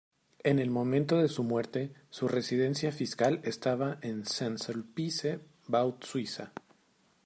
En el momento de su muerte, su residencia fiscal estaba en Saint-Sulpice, Vaud, Suiza.